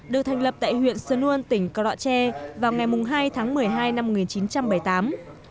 được thành lập tại huyện sơn uân tỉnh cọ đọa tre vào ngày hai tháng một mươi hai năm một nghìn chín trăm bảy mươi tám